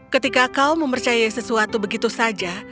ketika kau mempercayai sesuatu begitu saja